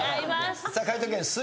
解答権水